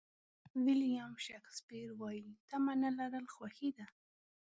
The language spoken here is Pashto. ویلیام شکسپیر وایي تمه نه لرل خوښي ده.